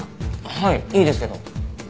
はいいいですけど。